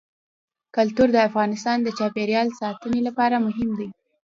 کلتور د افغانستان د چاپیریال ساتنې لپاره مهم دي.